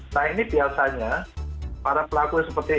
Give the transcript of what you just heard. nah ini biasanya para pelaku seperti ini